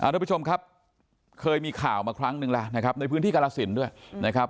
ทุกผู้ชมครับเคยมีข่าวมาครั้งนึงแล้วนะครับในพื้นที่กรสินด้วยนะครับ